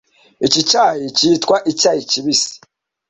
Iki cyayi cyitwa icyayi kibisi.